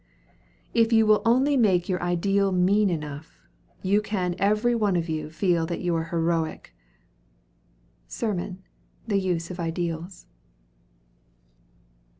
If you will only make your ideal mean enough, you can every one of you feel that you are heroic. SERMON: 'The Use of Ideals.'